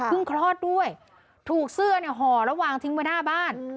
คลอดด้วยถูกเสื้อเนี่ยห่อแล้ววางทิ้งไว้หน้าบ้าน